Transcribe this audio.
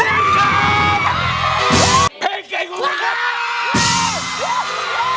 เพลงเก่งของคุณครับ